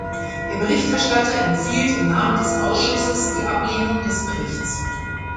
Der Berichterstatter empfiehlt im Namen des Ausschusses die Ablehnung des Berichts.